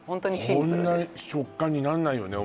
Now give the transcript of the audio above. こんな食感になんないよね